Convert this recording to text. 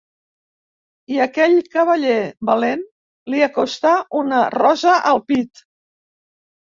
I aquell cavaller valent li acostà una rosa al pit.